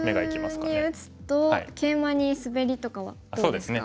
普通に打つとケイマにスベリとかはどうですか？